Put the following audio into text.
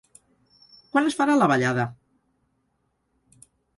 Quan es farà la ballada?